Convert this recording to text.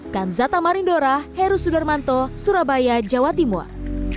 kanzata marindora heru sudarmanto surabaya jawa timur